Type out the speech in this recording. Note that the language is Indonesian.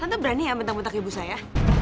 tante berani ya menemukan ibu saya